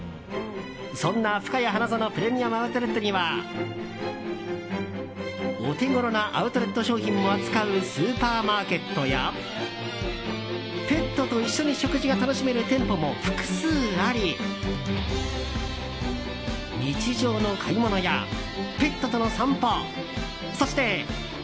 そんな、ふかや花園プレミアム・アウトレットにはお手ごろなアウトレット商品も扱うスーパーマーケットやペットと一緒に食事が楽しめる店舗も複数あり日常の買い物やペットとの散歩そして。